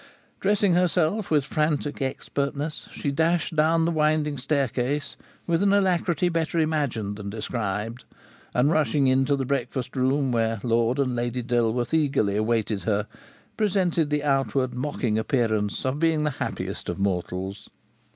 Dressing herself with frantic expertness, she dashed down the winding staircase with an alacrity better imagined than described, and rushing into the breakfast room where Lord and Lady Dilworth eagerly awaited her, presented the outward mocking appearance of being the happiest of mortals.